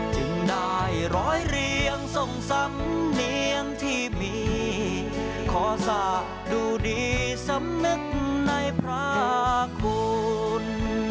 จึงได้ร้อยเรียงทรงสำเนียงที่มีขอสะดูดีสำนึกในพระคุณ